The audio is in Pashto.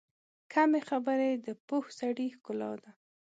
کمې خبرې، د پوه سړي ښکلا ده.